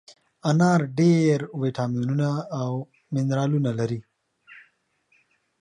انار ډېر ویټامینونه او منرالونه لري.